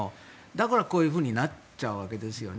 だから、こういうふうになっちゃうわけですよね。